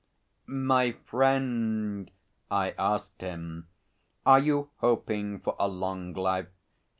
"My friend," I asked him, "are you hoping for a long life?